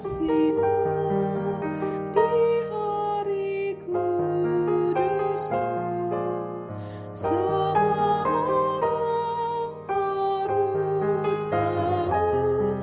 semua orang harus tahu